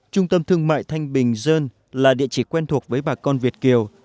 trung tâm thương mại thanh bình dương là địa chỉ quen thuộc với bà con việt kiều